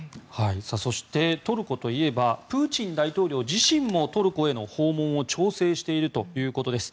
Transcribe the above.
そしてトルコといえばプーチン大統領自身もトルコへの訪問を調整しているということです。